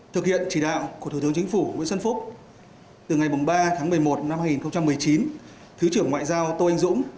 thực hiện chỉ đạo của thủ tướng chính phủ nguyễn xuân phúc từ ngày ba tháng một mươi một năm hai nghìn một mươi chín thứ trưởng ngoại giao tô anh dũng